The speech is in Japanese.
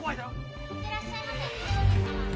いってらっしゃいませご主人様。